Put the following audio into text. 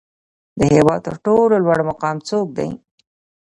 د هیواد تر ټولو لوړ مقام څوک دی؟